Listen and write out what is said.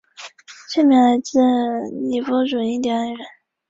他同时提出后凹尾龙可能是纳摩盖吐龙的次异名。